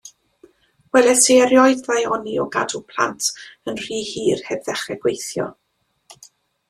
Weles i erioed ddaioni o gadw plant yn rhy hir heb ddechre gweithio.